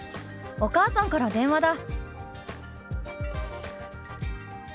お母さんから電話だ」。